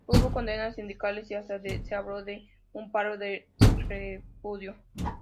Hubo condenas sindicales y hasta se habló de un paro de repudio.